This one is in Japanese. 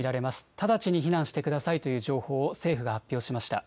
直ちに避難してくださいという情報を政府が発表しました。